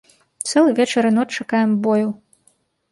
Цэлы вечар і ноч чакаем бою.